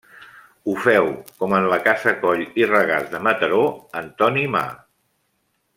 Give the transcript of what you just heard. Ho féu, com en la casa Coll i Regàs de Mataró, Antoni Ma.